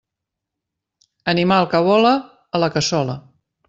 Animal que vola, a la cassola.